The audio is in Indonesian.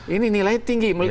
ini nilai tinggi